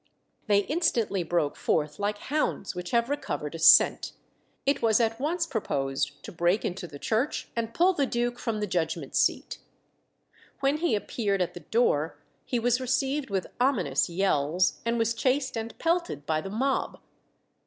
They instantly broke forth like hounds which have recovered a scent. It was at once proposed to break into the church and pull the duke from the judgment seat. When he appeared at the door, he was received with ominous yells, and was chased and pelted by the mob.